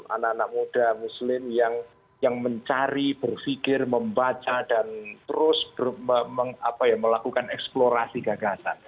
anak anak muda muslim yang mencari berfikir membaca dan terus melakukan eksplorasi gagasan